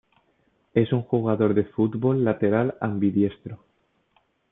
Es un jugador de fútbol lateral ambidiestro.